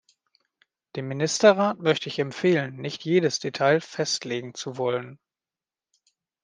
Dem Ministerrat möchte ich empfehlen, nicht jedes Detail festlegen zu wollen.